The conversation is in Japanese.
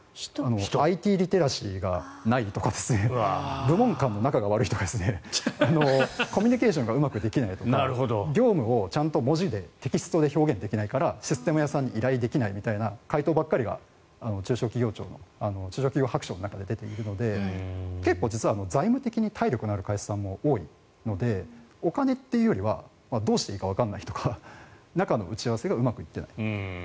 ＩＴリテラシーがないとか部門間の仲が悪いとかコミュニケーションがうまくできないとか業務をちゃんと文字でテキストで表現できないからシステム屋さんに依頼できないみたいな回答ばっかりが中小企業白書の中で出ているので結構、実は財務的に体力のある会社さんも多いのでお金というよりはどうしていいかわからないとか中の打ち合わせがうまくいっていない。